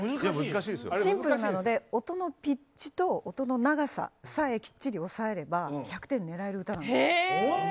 シンプルなので音のピッチと音の長ささえきっちり抑えれば１００点を狙える歌なんです。